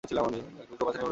চৌগাছা কৃষি নির্ভর এলাকা।